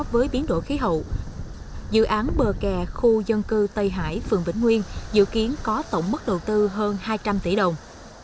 với bờ kè khu dân cư tây hải phường vĩnh nguyên dự kiến có tổng mức đầu tư hơn hai trăm linh tỷ đồng